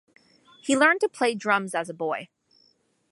He learned to play drums as a boy.